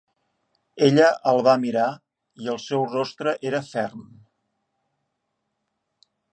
Ella el va mirar, i el seu rostre era ferm.